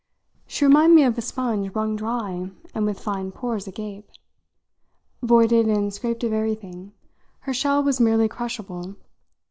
She reminded me of a sponge wrung dry and with fine pores agape. Voided and scraped of everything, her shell was merely crushable.